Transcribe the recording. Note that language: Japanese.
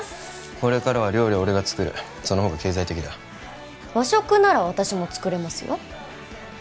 これからは料理は俺が作るそのほうが経済的だ和食なら私も作れますよ